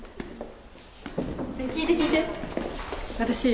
ねえ、聞いて、聞いて。